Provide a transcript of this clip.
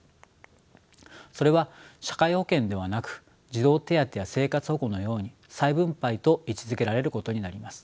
それは社会保険ではなく児童手当や生活保護のように再分配と位置づけられることになります。